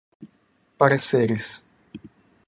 pareceres